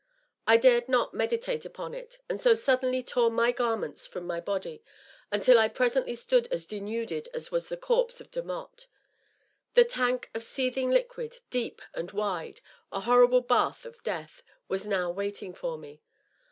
I dared not meditate upon it, and so suddenly tore my garments from my body, until I presently stood as denuded as was the corpse of De motte. The tank of seething liquid, deep and wide, a horrible bath of death, was now waiting for me.